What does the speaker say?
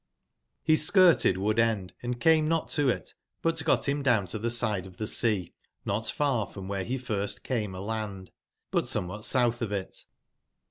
S skirted ^ood/end and came not to it, but got bim down to tbe side of tbe sea, not far from wbere be first came a land, bu t somewbat soutb of it.